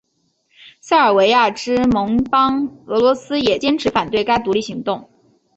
塞尔维亚之盟邦俄罗斯也坚持反对该独立行动。